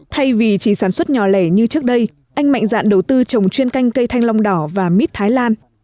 thay vì chỉ sản xuất nhỏ lẻ như trước đây anh mạnh dạn đầu tư trồng chuyên canh cây thanh long đỏ và mít thái lan